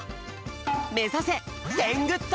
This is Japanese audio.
めざせテングッド！